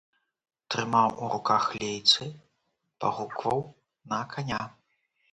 Трымаў у руках лейцы, пагукваў на каня.